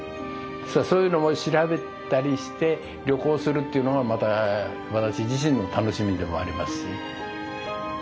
実はそういうのも調べたりして旅行するっていうのがまた私自身の楽しみでもありますし。